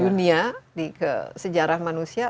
dunia di sejarah manusia